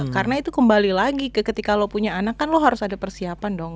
karena itu kembali lagi ke ketika lo punya anak kan lo harus ada persiapan dong